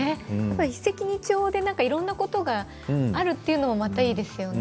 一石二鳥でいろんなことがあるというのもまたいいですよね。